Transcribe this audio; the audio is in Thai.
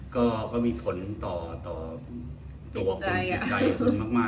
ก็มีผลต่อตัวคุณติดใจคุณมากเลย